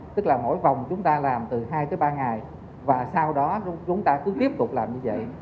tức là mỗi vòng chúng ta làm từ hai tới ba ngày và sau đó chúng ta cứ tiếp tục làm như vậy